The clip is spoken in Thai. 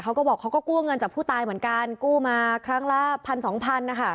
เขาก็บอกเขาก็กู้เงินจากผู้ตายเหมือนกันกู้มาครั้งละพันสองพันนะคะ